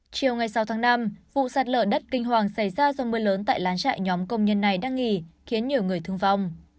chiều ngày sáu tháng năm vụ sạt lở đất kinh hoàng xảy ra do mưa lớn tại lán trại nhóm công nhân này đang nghỉ khiến nhiều người thương vong